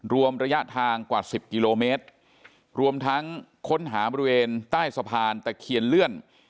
รวมระยะทางกว่าสิบกิโลเมตรรวมทั้งค้นหาบริเวณใต้สะพานตะเคียนเลื่อน